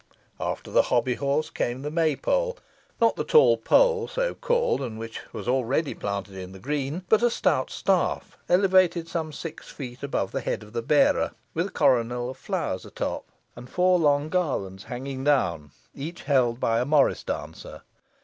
After the hobby horse came the May pole, not the tall pole so called and which was already planted in the green, but a stout staff elevated some six feet above the head of the bearer, with a coronal of flowers atop, and four long garlands hanging down, each held by a morris dancer.